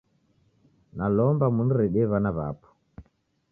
Nalomba muniredie w'ana w'apo.